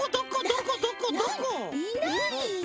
いないよ。